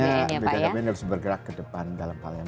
makanya bkkbn harus bergerak ke depan dalam hal yang